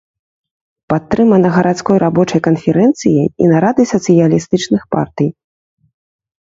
Падтрымана гарадской рабочай канферэнцыяй і нарадай сацыялістычных партый.